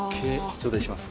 頂戴します。